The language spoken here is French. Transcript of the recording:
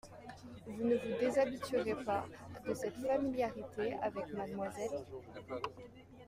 Vous ne vous déshabituerez pas de cette familiarité avec mademoiselle ?